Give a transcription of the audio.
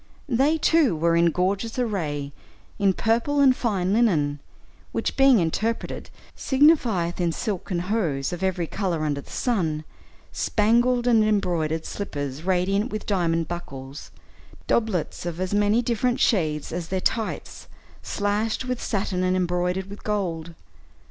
They, too, were in gorgeous array, in purple and fine linen, which being interpreted, signifieth in silken hose of every color under the sun, spangled and embroidered slippers radiant with diamond buckles, doublets of as many different shades as their tights, slashed with satin and embroidered with gold.